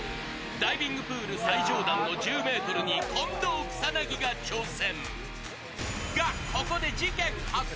ダイビングプール最上段の１０ｍに近藤・草薙が挑戦。